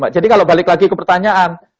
jadi kalau balik lagi ke pertanyaan